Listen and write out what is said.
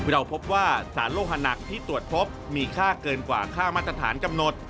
เราพบว่าสารโลหะหนักที่ตรวจพบมีค่าเกินกว่าค่ามาตรฐานกำหนด